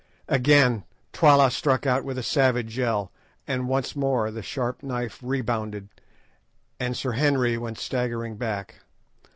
Again Twala struck out with a savage yell, and again the sharp knife rebounded, and Sir Henry went staggering back.